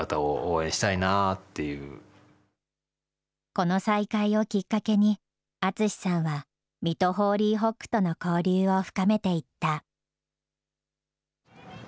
この再会をきっかけに、淳さんは水戸ホーリーホックとの交流を深めていった。